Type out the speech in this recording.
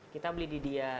kita beli di dia